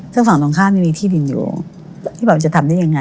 ซึ่งฝั่งตรงข้ามไม่มีที่ดินอยู่ที่บอกจะทำได้ยังไง